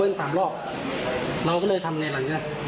เราก็เลยทำเมียอะไรเนี่ย